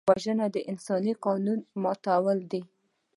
وژنه د انساني قانون ماتول دي